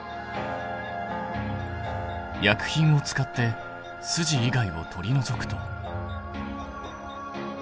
薬品を使って筋以外を取り除くと。